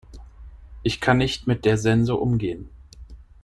Ich kann nicht mit der Sense umgehen.